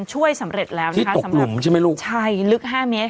ช่วยสำเร็จแล้วที่ตกหลุมใช่ไหมลูกใช่ลึกห้าเมตร